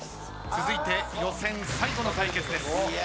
続いて予選最後の対決です。